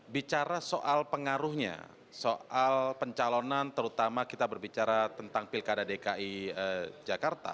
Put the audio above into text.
bicara soal pengaruhnya soal pencalonan terutama kita berbicara tentang pilkada dki jakarta